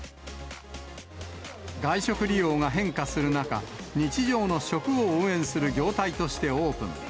外食利用が変化する中、日常の食を応援する業態としてオープン。